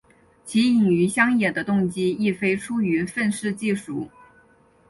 其隐于乡野的动机亦非出于非愤世嫉俗。